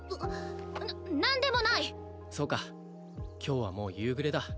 な何でもないそうか今日はもう夕暮れだ